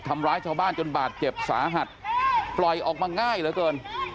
ทำร้ายชาวบ้านจนบาดเจ็บสาหัสปล่อยออกมาง่ายเหลือเกิน